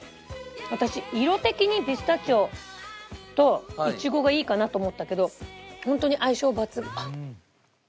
私色的にピスタチオといちごがいいかなと思ったけどホントに相性抜群あっ。